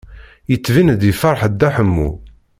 Yettbin-d yefṛeḥ Dda Ḥemmu.